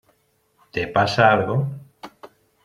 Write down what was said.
¿ te pasa algo?